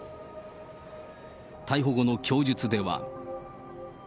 逮捕後の供述では。